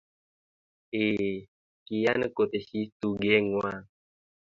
eeeh kiyan koteshi tugee ngwang